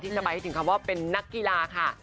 จะไปให้ถึงคำว่าเป็นนักกีฬาค่ะ